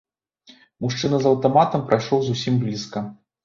Мужчына з аўтаматам прайшоў зусім блізка.